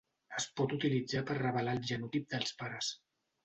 Es pot utilitzar per revelar el genotip dels pares.